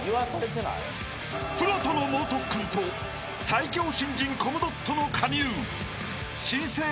［プロとの猛特訓と最強新人コムドットの加入］